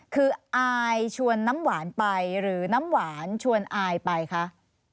คืออายชวนน้ำหวานไปหรือน้ำหวานชวนอายไปคะ